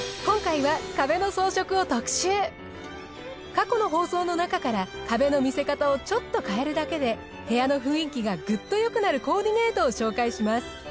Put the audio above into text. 過去の放送のなかから壁の見せ方をちょっと変えるだけで部屋の雰囲気がグッとよくなるコーディネートを紹介します。